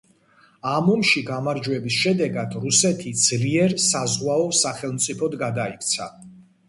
ამ ომში გამარჯვების შედეგად რუსეთი ძლიერ საზღვაო სახელმწიფოდ გადაიქცა.